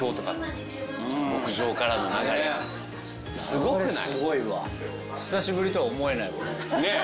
すごくない？